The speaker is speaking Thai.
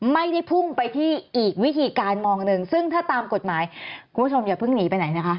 ไม่ได้พุ่งไปที่อีกวิธีการมองหนึ่งซึ่งถ้าตามกฎหมายคุณผู้ชมอย่าเพิ่งหนีไปไหนนะคะ